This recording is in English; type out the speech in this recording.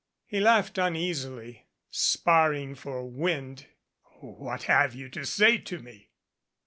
He laughed uneasily, sparring for wind. "What have you to say to me?"